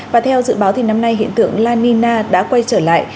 và theo dự báo thì năm nay hiện tượng la nina đã quay trở lại